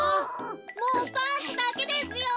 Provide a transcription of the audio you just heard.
もうパンツだけですよ。